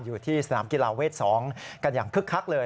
อยู่ที่สนามกีฬาเวท๒กันอย่างคึกคักเลย